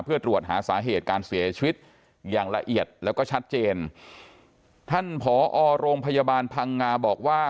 เพื่อตรวจหาสาเหตุการเสียชีวิตอย่างละเอียดแล้วก็ชัดเจนท่านผอโรงพยาบาลพังงาบอกว่า